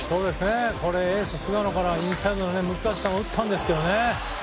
エース、菅野からインサイドの難しい球を打ったんですけどね。